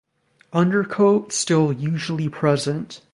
Undercoat still usually present.